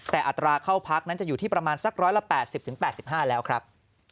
แต่อัตราเข้าพักนั้นจะอยู่ที่ประมาณสัก๑๘๐๘๕แล้วครับ